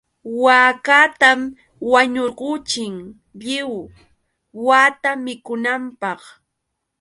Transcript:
Waakatam wañurquchin lliw wata mikunanpaq.